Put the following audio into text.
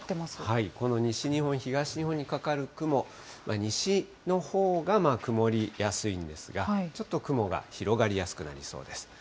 この西日本、東日本にかかる雲、西のほうが曇りやすいんですが、ちょっと雲が広がりやすくなりそうです。